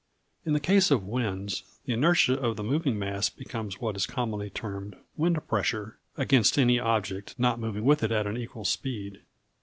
In the case of winds, the inertia of the moving mass becomes what is commonly termed "wind pressure" against any object not moving with it at an equal speed.